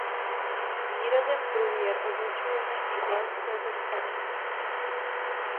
Výrazem průměr označujeme i délku této úsečky.